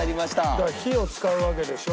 だから火を使うわけでしょ？